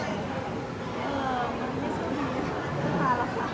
อืมคือไม่สมมุติคือพิการอ่ะค่ะ